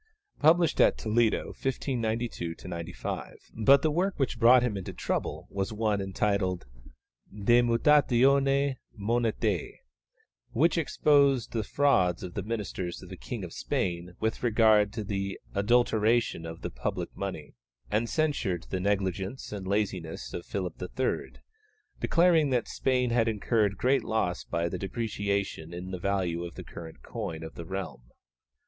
published at Toledo 1592 95. But the work which brought him into trouble was one entitled De Mutatione Monetae, which exposed the frauds of the ministers of the King of Spain with regard to the adulteration of the public money, and censured the negligence and laziness of Philip III., declaring that Spain had incurred great loss by the depreciation in the value of the current coin of the realm.